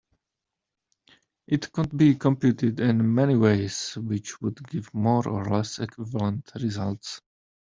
It could be computed in many ways which would give more or less equivalent results.